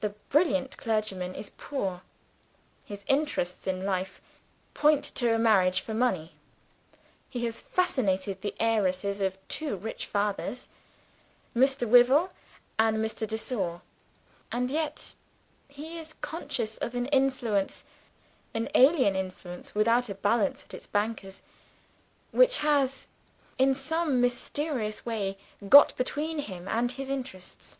The brilliant clergyman is poor; his interests in life point to a marriage for money; he has fascinated the heiresses of two rich fathers, Mr. Tyvil and Mr. de Sor and yet he is conscious of an influence (an alien influence, without a balance at its bankers), which has, in some mysterious way, got between him and his interests.